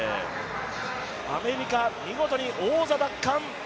アメリカ、見事に王座奪還。